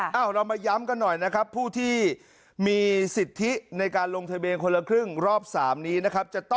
เรามาย้ำกันหน่อยนะครับผู้ที่มีสิทธิในการลงทะเบียนคนละครึ่งรอบ๓นี้นะครับ